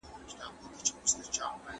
راوباسلې مړې دي كړې